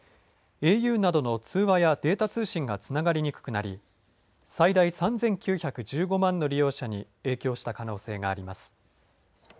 ａｕなどの通話やデータ通信がつながりにくくなり最大３９１５万の利用者に影響した可能性があります。